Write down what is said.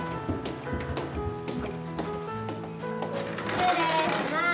失礼します。